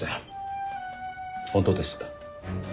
本当です。